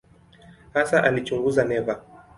Hasa alichunguza neva.